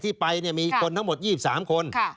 ที่ไปมีคนทั้งหมด๒๓คน